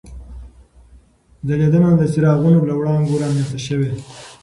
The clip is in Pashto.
ځلېدنه د څراغونو له وړانګو رامنځته شوې.